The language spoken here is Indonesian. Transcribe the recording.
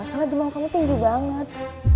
karena demam kamu tinggi banget